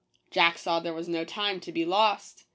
Jack saw there was no time to be lost.